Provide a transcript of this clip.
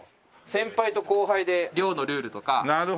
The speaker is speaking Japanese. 先輩と後輩で寮のルールとか色々なものを。